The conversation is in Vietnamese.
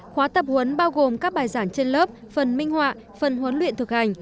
khóa tập huấn bao gồm các bài giảng trên lớp phần minh họa phần huấn luyện thực hành